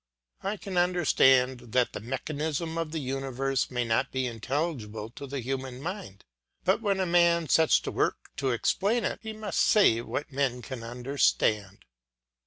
I can understand that the mechanism of the universe may not be intelligible to the human mind, but when a man sets to work to explain it, he must say what men can understand.